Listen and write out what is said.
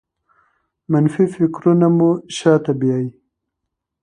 منفي فکرونه مو شاته بیايي.